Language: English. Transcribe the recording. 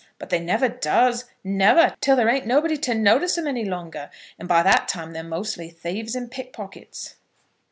But they never does, never, till there ain't nobody to notice 'em any longer; and by that time they're mostly thieves and pickpockets."